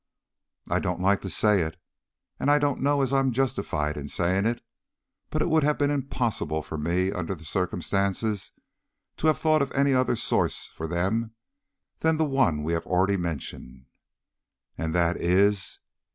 "I don't like to say it, and I don't know as I am justified in saying it, but it would have been impossible for me, under the circumstances, to have thought of any other source for them than the one we have already mentioned." "And that is?"